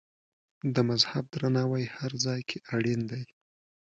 د مذهب درناوی هر ځای کې اړین دی.